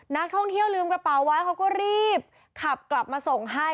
นักท่องเที่ยวลืมกระเป๋าไว้เขาก็รีบขับกลับมาส่งให้